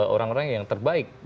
orang orang yang terbaik